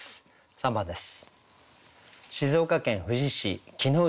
３番です。